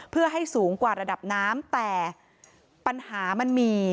เพื่อให้สูงกว่าระดับน้ำแต่ปัญหามันมี